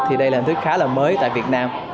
thì đây là hình thức khá là mới tại việt nam